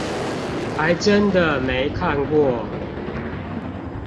還真的沒看過